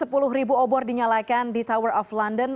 ke inggris sepuluh ribu obor dinyalaikan di tower of london